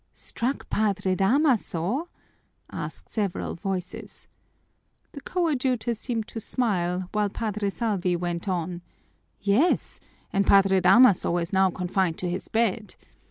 "Struck Padre Damaso?" asked several voices. The coadjutor seemed to smile, while Padre Salvi went on: "Yes, and Padre Damaso is now confined to his bed.